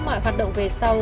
mọi hoạt động về sau